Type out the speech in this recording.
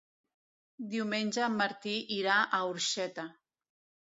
Diumenge en Martí irà a Orxeta.